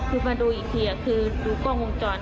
คือมาดูอีกทีคือดูกล้องวงจร